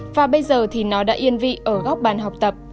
và bây giờ thì nó đã yên vị ở góc bàn học tập